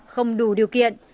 không đủ điều kiện